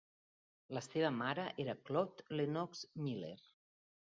La seva mare era Claude Lennox Miller.